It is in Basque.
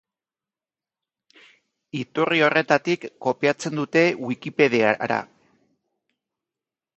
Iturri horretatik kopiatzen dute Wikipediara.